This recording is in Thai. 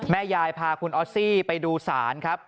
แม่ยายพาคุณออสซี่ไปดูศาลครับ